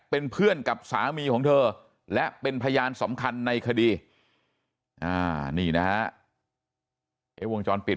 เป็นเพื่อนกับสามีของเธอและเป็นพยานสำคัญในคดีนี่นะฮะไอ้วงจรปิด